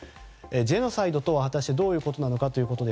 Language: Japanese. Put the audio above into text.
ジェノサイドとは果たしてどういうことなのか。